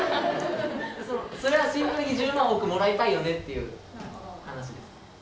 それはシンプルに１０万もらいたいよねって話です。